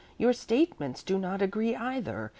Your statements do not agree, either.